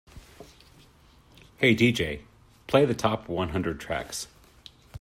"Hey DJ, play the top one hundred tracks"